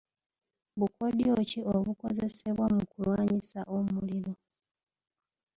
Bukodyo ki obukozesebwa mu kulwanyisa omuliro?